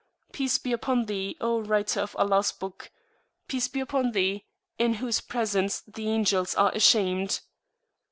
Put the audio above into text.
Peace be upon Thee, O Writer of Allahs Book! Peace be upon Thee, in whose Presence the Angels are ashamed!